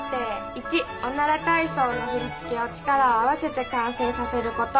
１『おなら体操』の振り付けを力を合わせて完成させること。